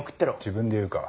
自分で言うか。